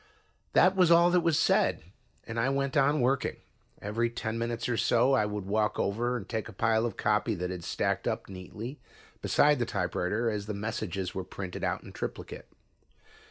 That was all that was said, and I went on working. Every ten minutes or so I would walk over and take a pile of copy that had stacked up neatly beside the typewriter as the messages were printed out in triplicate.